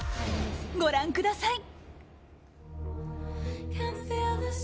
ご覧ください。